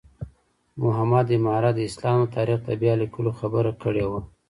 محمد عماره د اسلام د تاریخ د بیا لیکلو خبره کړې وه.